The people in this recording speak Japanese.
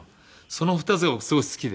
その２つが僕すごい好きで。